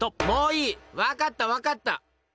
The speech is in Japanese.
もういいわかったわかった！